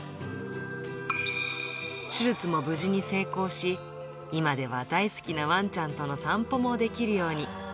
手術も無事に成功し、今では大好きなワンちゃんとの散歩もできるように。